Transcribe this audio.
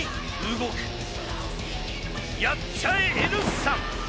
やっちゃえＮ産。